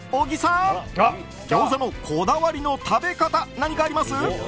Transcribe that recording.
ギョーザのこだわりの食べ方何かあります？